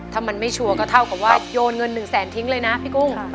ถ้ามันไม่ชัวร์ก็เท่ากับว่าโยนเงิน๑แสนทิ้งเลยนะพี่กุ้ง